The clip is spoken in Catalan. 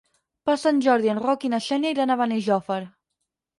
Per Sant Jordi en Roc i na Xènia iran a Benijòfar.